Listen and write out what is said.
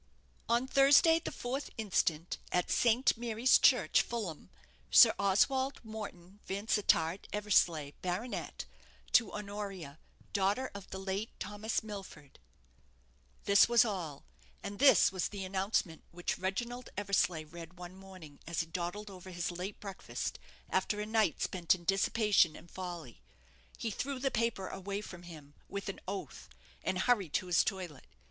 "_On Thursday, the 4th instant, at St. Mary's Church, Fulham, Sir Oswald Morton Vansittart Eversleigh, Bart., to Honoria daughter of the late Thomas Milford._" This was all; and this was the announcement which Reginald Eversleigh read one morning, as he dawdled over his late breakfast, after a night spent in dissipation and folly. He threw the paper away from him, with an oath, and hurried to his toilet.